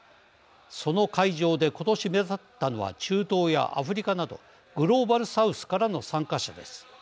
その会場で今年目立ったのは中東やアフリカなどグローバル・サウスからの参加者です。